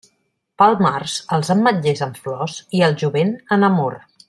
Pel març, els ametllers en flor i el jovent en amor.